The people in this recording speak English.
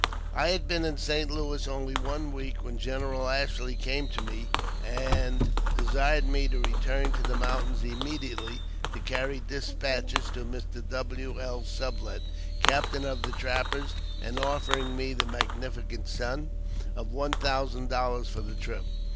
1HAD been in St. Louis only "one week, when General Ashley came to me, and desired me to return to the mountains immediately, to carry despatches to Mr. W. L. Sublet, captain of the trappers, and offering me the magnifi ■cent sum of one thousand dollars for the trip.